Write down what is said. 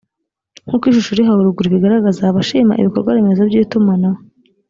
nk uko ishusho iri haruguru ibigaragaza abashima ibikorwaremezo by itumanaho